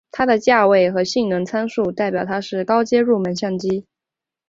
它的价位和性能参数代表它是高阶入门相机。